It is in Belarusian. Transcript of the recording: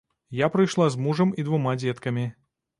Я прыйшла з мужам і двума дзеткамі.